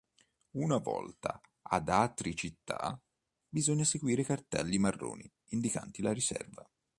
Una volta ad Atri città, bisogna seguire i cartelli marroni indicanti la riserva.